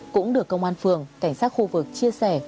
cũng được công an phường cảnh sát khu vực chia sẻ